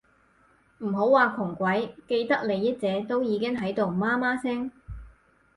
唔好話窮鬼，既得利益者都已經喺度媽媽聲